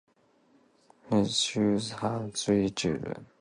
He and his wife, Sue, have three children.